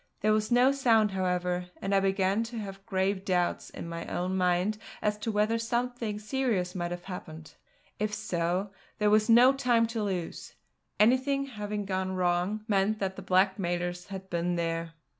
There was no sound, however, and I began to have grave doubts in my own mind as to whether something serious might have happened. If so, there was no time to lose. Anything having gone wrong meant that the blackmailers had been there.